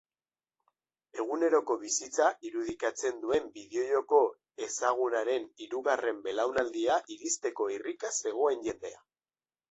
Eguneroko bizitza irudikatzen duen bideojoko ezagunaren hirugarren belaunaldia iristeko irrikaz zegoen jendea.